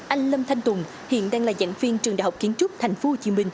anh lâm thanh tùng hiện đang là giảng viên trường đại học kiến trúc tp hcm